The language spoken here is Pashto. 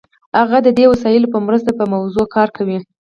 هغه د دې وسایلو په مرسته په موضوع کار کوي.